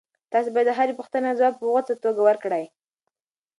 تاسي باید د هرې پوښتنې ځواب په غوڅه توګه ورکړئ.